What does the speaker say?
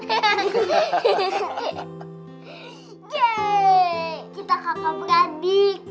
yeay kita kakak beradik